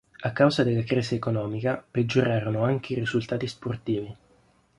A causa della crisi economica peggiorarono anche i risultati sportivi.